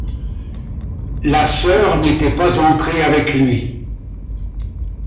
La soeur n'était pas entrée avec lui.